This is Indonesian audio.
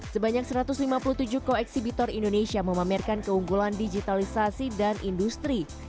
sebanyak satu ratus lima puluh tujuh koeksibitor indonesia memamerkan keunggulan digitalisasi dan industri